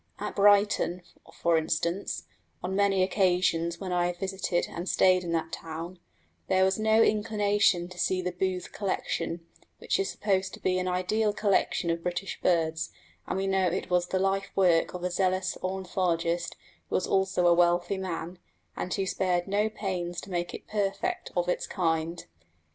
At Brighton, for instance, on many occasions when I have visited and stayed in that town, there was no inclination to see the Booth Collection, which is supposed to be an ideal collection of British birds; and we know it was the life work of a zealous ornithologist who was also a wealthy man, and who spared no pains to make it perfect of its kind.